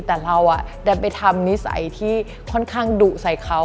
แต่เราดันไปทำนิสัยที่ค่อนข้างดุใส่เขา